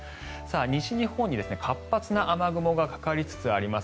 西日本に活発な雨雲がかかりつつあります。